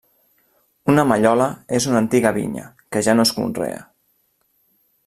Una mallola és una antiga vinya, que ja no es conrea.